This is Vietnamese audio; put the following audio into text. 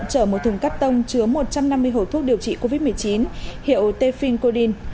chở một thùng cắt tông chứa một trăm năm mươi hồi thuốc điều trị covid một mươi chín hiệu tefincodin